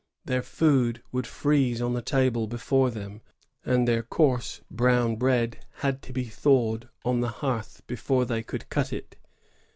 Their food would freeze on the table before them, and their coarse brown bread had to be thawed on the hearth before they could cut it.